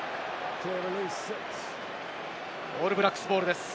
オールブラックスボールです。